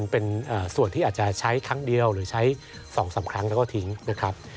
เป็นส่วนที่อาจจะใช้ครั้งเดียวหรือใช้๒๓ครั้งแล้วก็ทิ้งนะครับ